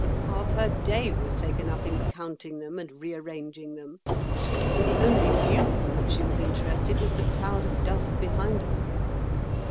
Half her day was taken up in counting them and re arranging them, and the only view in which she was interested was the cloud of dust behind us.